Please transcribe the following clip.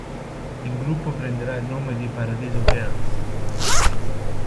Il gruppo prenderà il nome di "Paradiso Girls".